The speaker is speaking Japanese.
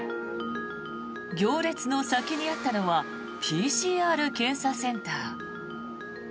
行列の先にあったのはＰＣＲ検査センター。